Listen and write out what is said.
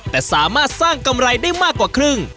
แต่สามารถสร้างกำไรได้มากกว่าครึ่ง